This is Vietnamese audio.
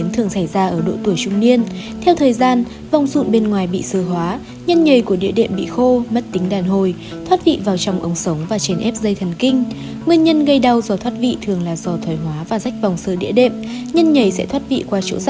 thoát vị địa đệm